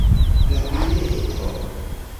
La bileto